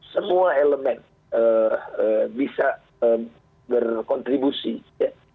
semua elemen bisa berkontribusi ya